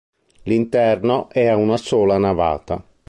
L'interno è a una sola navata.